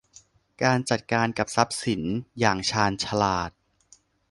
การจัดการกับทรัพย์สินอย่างชาญฉลาด